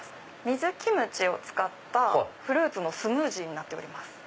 水キムチを使ったフルーツのスムージーになっております。